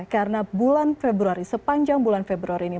karena bulan februari sepanjang bulan februari ini